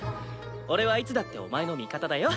俺はいつだってお前の味方だよ。